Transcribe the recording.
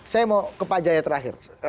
saya mau ke pak jaya terakhir